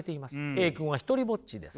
Ａ君は独りぼっちです。